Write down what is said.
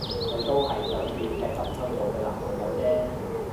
佢都係想吊隻金龜做佢男朋友啫